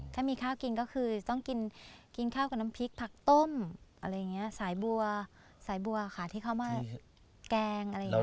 ถ้ามีข้าวกินก็คือต้องกินกินข้าวกับน้ำพริกผักต้มอะไรอย่างนี้สายบัวสายบัวค่ะที่เข้ามาแกงอะไรอย่างนี้